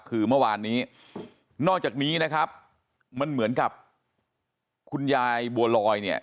คือเมื่อวานนี้นอกจากนี้นะครับมันเหมือนกับคุณยายบัวลอยเนี่ย